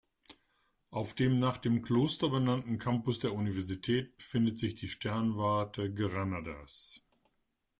Auf dem nach dem Kloster benannten Campus der Universität befindet sich die Sternwarte Granadas.